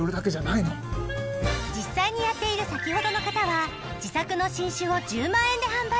実際にやっている先ほどの方は自作の新種を１０万円で販売